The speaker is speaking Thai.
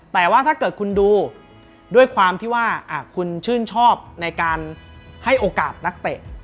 แต่ว่าถ้าเกิดคุณดูด้วยความที่ว่าคุณชื่นชอบในการให้โอกาสนักเตะ